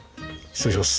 失礼します。